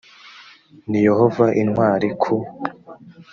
ni yehova intwari ku